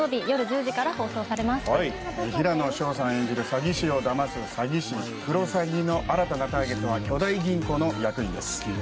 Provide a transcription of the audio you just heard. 詐欺師をだます詐欺師クロサギの新たなターゲットは巨大銀行の役員です